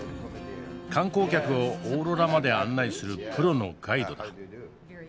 観光客をオーロラまで案内するプロのガイドだ。